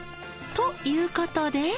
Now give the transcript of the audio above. ということで。